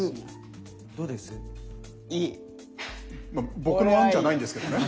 まあ僕の案じゃないんですけどね。